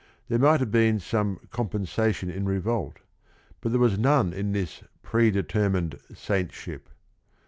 There might have been some com pensation in revolt, but there was none in this "predetermined saintship."